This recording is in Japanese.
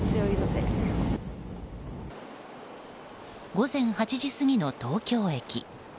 午前８時過ぎの東京駅。